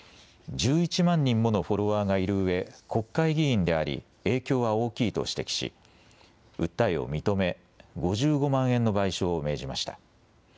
１１万人ものフォロワーがいるうえ、国会議員であり影響は大きいと指摘し訴えを認め５５万円の賠償を命じました。